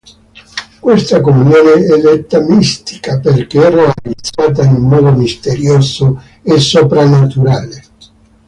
Questa comunione è detta "mistica" perché è realizzata in modo misterioso e soprannaturale.